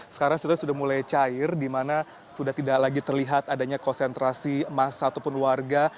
sekarang situasi sudah mulai cair di mana sudah tidak lagi terlihat adanya konsentrasi massa ataupun warga